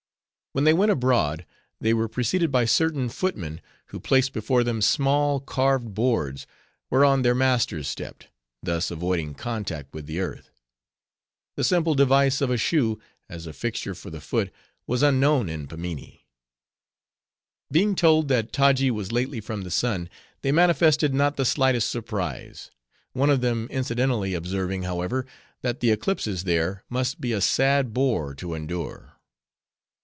When they went abroad, they were preceded by certain footmen; who placed before them small, carved boards, whereon their masters stepped; thus avoiding contact with the earth. The simple device of a shoe, as a fixture for the foot, was unknown in Pimminee. Being told, that Taji was lately from the sun, they manifested not the slightest surprise; one of them incidentally observing, however, that the eclipses there, must be a sad bore to endure.